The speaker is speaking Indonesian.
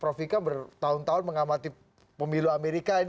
prof vika bertahun tahun mengamati pemilu amerika ini